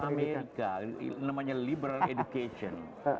amerika namanya liberal education